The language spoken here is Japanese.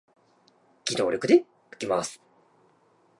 私にはどうしていいか分らなかった。